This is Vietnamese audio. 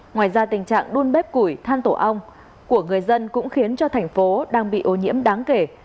ngoài ra tình trạng đun bếp củi than tổ ong của người dân cũng khiến cho thành phố đang bị ô nhiễm đáng kể